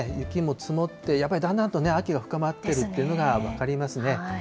そうですね、雪も積もって、やっぱりだんだんと秋が深まっているというのが分かりますね。